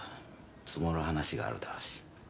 積もる話があるだろうし。